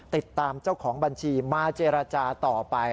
ติดตามเจ้าของบัญชีมาเจรจาต่อไป